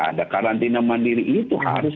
ada karantina mandiri itu harus